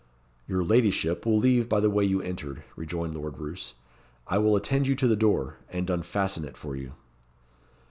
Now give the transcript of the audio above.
"Your ladyship will leave by the way you entered," rejoined Lord Roos. "I will attend you to the door and unfasten it for you."